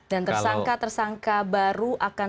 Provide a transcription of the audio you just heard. dan tersangka tersangka baru akan segera ditetapkan